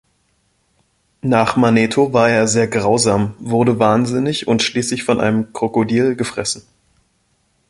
Nach Manetho war er sehr grausam, wurde wahnsinnig und schließlich von einem Krokodil gefressen.